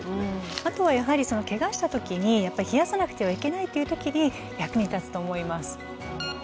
あとはやはりケガした時に冷やさなくてはいけないっていう時に役に立つと思います。